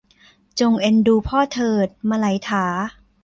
จงเอ็นดูพ่อเถิดมะไหลถา